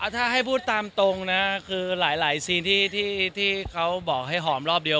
ถ้าให้พูดตามตรงนะคือหลายซีนที่เขาบอกให้หอมรอบเดียว